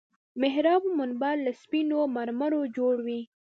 محراب او منبر له سپينو مرمرو جوړ وو.